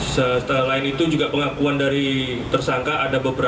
setelah lain itu juga pengakuan dari tersangka ada berikutnya